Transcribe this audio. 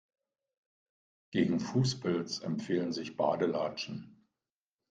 Gegen Fußpilz empfehlen sich Badelatschen.